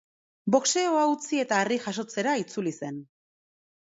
Boxeoa utzi eta harri-jasotzera itzuli zen.